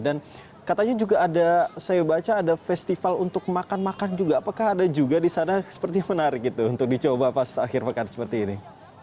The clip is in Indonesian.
dan katanya juga ada saya baca ada festival untuk makan makan juga apakah ada juga disana seperti menarik gitu untuk dicoba pas akhir pekan seperti ini